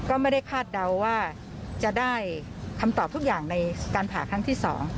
ก็ไม่ได้คาดเดาว่าจะได้คำตอบทุกอย่างในการผ่าครั้งที่๒